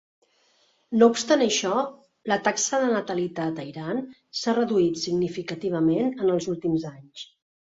No obstant això, la taxa de natalitat a Iran s'ha reduït significativament en els últims anys.